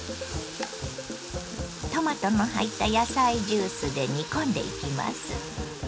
トマトの入った野菜ジュースで煮込んでいきます。